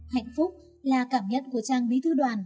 hạnh phúc là cảm nhận của trang bí thư đoàn